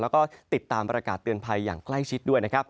แล้วก็ติดตามประกาศเตือนภัยอย่างใกล้ชิดด้วยนะครับ